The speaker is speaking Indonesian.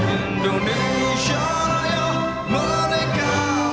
indonesia tanah airku